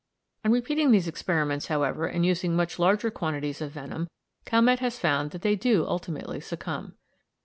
On repeating these experiments, however, and using much larger quantities of venom, Calmette has found that they do ultimately succumb.